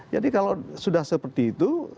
jadi kalau sudah seperti itu